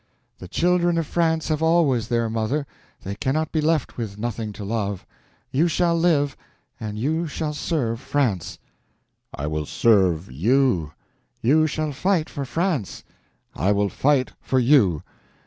The children of France have always their mother—they cannot be left with nothing to love. You shall live—and you shall serve France—" "I will serve you!"—"you shall fight for France—" "I will fight for you!"